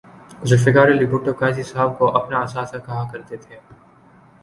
ذوالفقار علی بھٹو قاضی صاحب کو اپنا اثاثہ کہا کر تے تھے